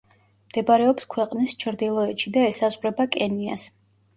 მდებარეობს ქვეყნის ჩრდილოეთში და ესაზღვრება კენიას.